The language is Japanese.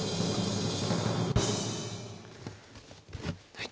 はい。